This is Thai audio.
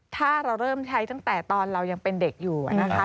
ถ้าเราเริ่มใช้ตั้งแต่ตอนเรายังเป็นเด็กอยู่นะคะ